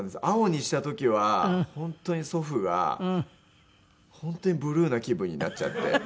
青にした時は本当に祖父が本当にブルーな気分になっちゃって。